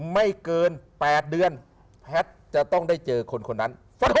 ไม่เกิน๘เดือนแพทย์จะต้องได้เจอคนคนนั้น